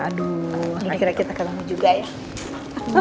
akhirnya kita ketemu juga ya